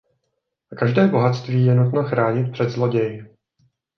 A každé bohatství je nutno chránit před zloději.